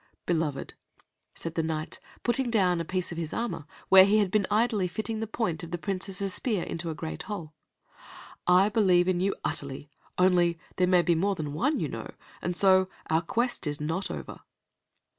"Beloved," said the Knight, putting down a piece of his armor, where he had been idly fitting the point of the Princess's spear into a great hole, "I believe in you utterly, only, there may be more than one, you know, and so our quest is not over."